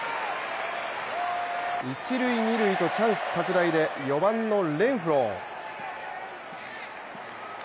一塁、二塁とチャンス拡大で４番のレンフロー。